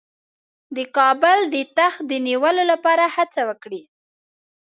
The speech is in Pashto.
د کابل د تخت د نیولو لپاره هڅه وکړي.